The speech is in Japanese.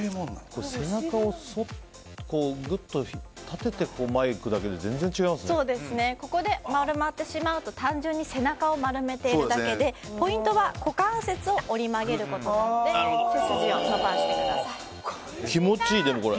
背中をぐっと立てて前行くだけでここで丸まってしまうと単純に背中を丸めているだけでポイントは股関節を折り曲げることなので気持ちいい、でもこれ。